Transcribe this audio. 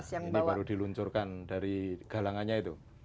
ini baru diluncurkan dari galangannya itu